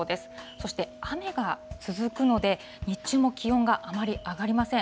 そして、雨が続くので、日中も気温があまり上がりません。